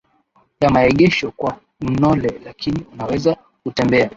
ya maegesho kwa Knole lakini unaweza kutembea